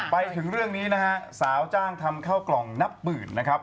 ไปถึงเรื่องนี้นะฮะสาวจ้างทำข้าวกล่องนับหมื่นนะครับ